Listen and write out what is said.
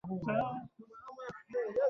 د افغانستان لپاره ډیر ښه دریځ